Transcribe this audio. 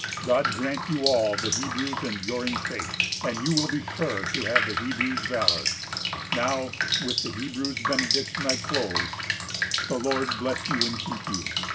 God grant you all the Hebrew's enduring faith, and you will be sure to have the Hebrew's valor. Now, with the Hebrew's benediction, I close: 'The Lord bless you and keep you.